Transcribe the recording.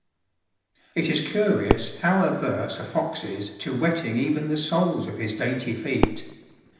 It is curious how averse a fox is to wet ting even the soles of his dainty feet!